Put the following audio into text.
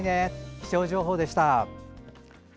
気象情報でした。